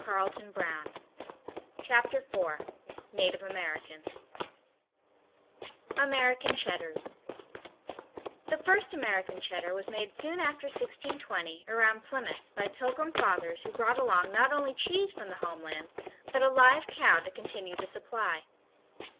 Chapter Four Native Americans American Cheddars The first American Cheddar was made soon after 1620 around Plymouth by Pilgrim fathers who brought along not only cheese from the homeland but a live cow to continue the supply.